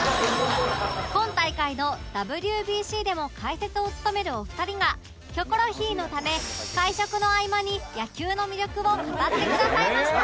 今大会の ＷＢＣ でも解説を務めるお二人が『キョコロヒー』のため会食の合間に野球の魅力を語ってくださいました！